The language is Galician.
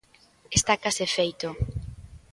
Está case feito.